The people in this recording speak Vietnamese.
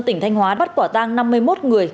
tỉnh thanh hóa bắt quả tang năm mươi một người